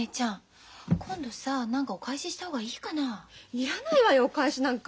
要らないわよお返しなんか。